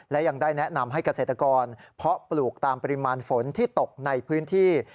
และยังได้แนะนำให้เกษตรกรเพาะปลูกตามปริมาณฝนที่ตกในพื้นที่